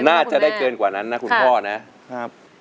น่าจะได้เกินกว่านั้นนะคุณพ่อ